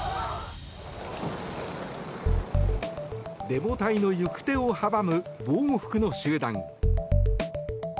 デモ隊の行く手を阻む防護服の集団。